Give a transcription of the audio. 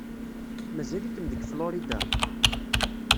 Mazal-ikem deg Florida?